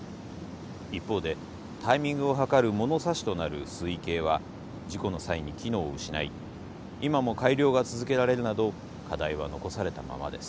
一方でタイミングをはかる物差しとなる水位計は事故の際に機能を失い今も改良が続けられるなど課題は残されたままです。